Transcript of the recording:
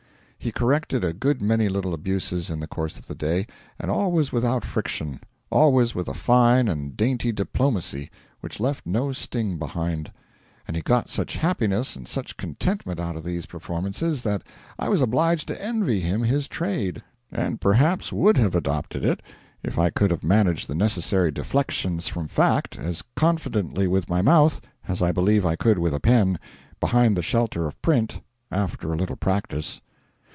He corrected a good many little abuses in the course of the day, and always without friction always with a fine and dainty 'diplomacy' which left no sting behind; and he got such happiness and such contentment out of these performances that I was obliged to envy him his trade and perhaps would have adopted it if I could have managed the necessary deflections from fact as confidently with my mouth as I believe I could with a pen, behind the shelter of print, after a little practice.